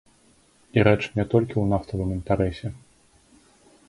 І рэч не толькі ў нафтавым інтарэсе.